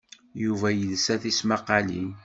Yuba yelsa tismaqqalin.